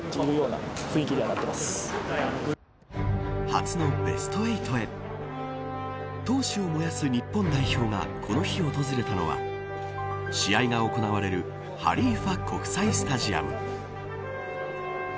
初のベスト８へ闘志を燃やす日本代表がこの日訪れたのは試合が行われるハリーファ国際スタジアム。